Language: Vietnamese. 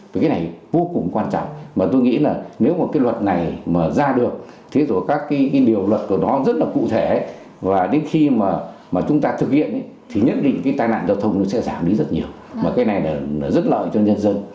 vì cái này vô cùng quan trọng mà tôi nghĩ là nếu mà cái luật này mà ra được thế rồi các cái điều luật của nó rất là cụ thể và đến khi mà chúng ta thực hiện thì nhất định cái tai nạn giao thông nó sẽ giảm đi rất nhiều mà cái này là rất lợi cho nhân dân